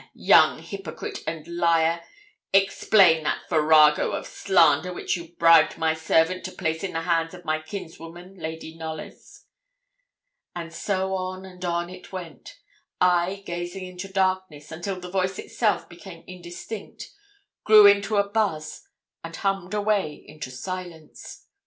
young hypocrite and liar! explain that farrago of slander which you bribed my servant to place in the hands of my kinswoman, Lady Knollys.' And so on and on it went, I gazing into darkness, until the voice itself became indistinct, grew into a buzz, and hummed away into silence.